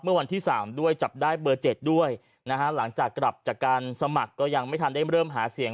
วันที่๓ด้วยจับได้เบอร์๗ด้วยนะฮะหลังจากกลับจากการสมัครก็ยังไม่ทันได้เริ่มหาเสียง